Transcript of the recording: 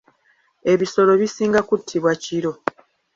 Ebisolo bisinga kuttibwa kiro.